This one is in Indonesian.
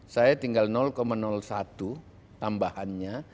saya tinggal satu tambahannya